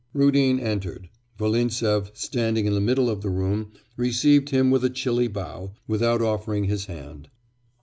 Rudin entered. Volintsev, standing in the middle of the room, received him with a chilly bow, without offering his hand.